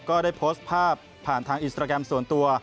ก็ได้โพสต์ภาพผ่านทางอินสตราแกรมส่วนตัว